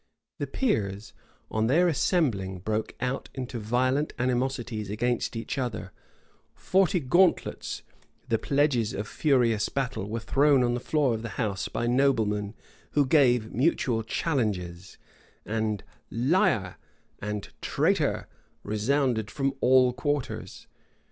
The peers, on their assembling, broke out into violent animosities against each other; forty gauntlets, the pledges of furious battle, were thrown on the floor of the house by noblemen who gave mutual challenges; and "liar" and "traitor" resounded from all quarters.